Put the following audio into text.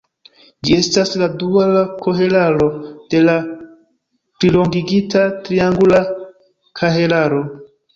Ĝi estas la duala kahelaro de la plilongigita triangula kahelaro.